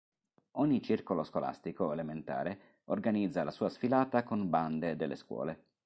Ogni circolo scolastico elementare organizza la sua sfilata con bande delle scuole.